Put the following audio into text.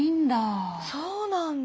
そうなんだ。